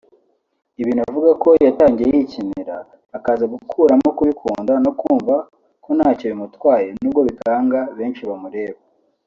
Ibintu avuga ko yatangiye yikinira akaza gukuramo ku bikunda no kumva ko ntacyo bimutwaye nubwo bikanga benshi bamureba